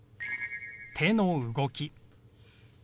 手の動き。